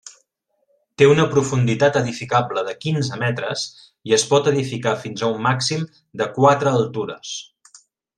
Té una profunditat edificable de quinze metres i es pot edificar fins a un màxim de quatre altures.